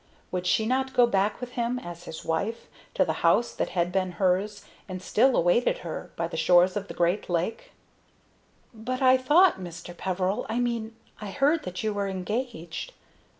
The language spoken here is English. Would she not go back with him, as his wife, to the house that had been hers, and still awaited her, by the shore of the great lake? "But I thought, Mr. Peveril I mean, I heard that you were engaged?"